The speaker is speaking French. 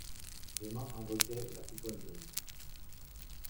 Des mains invoquaient la coupole grise.